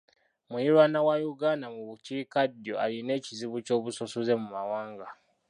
Muliraanwa wa Uganda mu bukiikaddyo alina ekizibu ky'obusosoze mu mawanga.